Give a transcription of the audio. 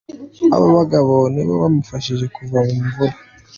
Aba bagabo nibo bamufashije kuva mu mvura.